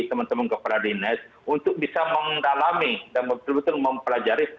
teman teman kepala dines untuk bisa mengendalami dan mempelajari